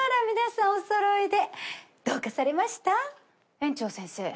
園長先生。